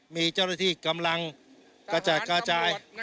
มีเจ้าหน้าที่กำลังกระจาย